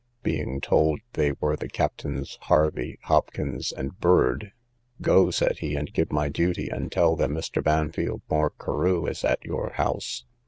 Being told they were the Captains Harvey, Hopkins, and Burd,—Go, said he, and give my duty, and tell them Mr. Bampfylde Moore Carew is at your house.